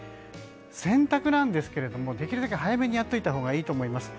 洗濯はできるだけ早めにやっておいたほうがいいと思います。